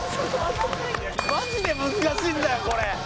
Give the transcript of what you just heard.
マジで難しいんだよこれ。